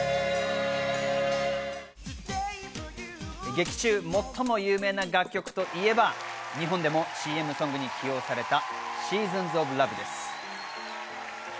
劇中、最も有名な楽曲といえば日本でもＣＭソングに起用された『ＳｅａｓｏｎｓｏｆＬｏｖｅ』。